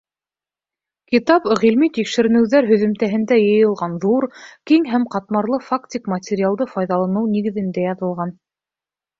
Китап ғилми-тикшеренеүҙәр һөҫөмтәһендә йыйылған ҙур, киң һәм ҡатмарлы фактик материалды файҙаланыу нигеҙендә яҙылған.